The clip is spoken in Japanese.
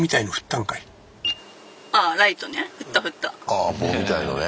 ああ棒みたいのね。